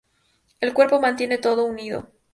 El "cuerpo" mantiene todo unido.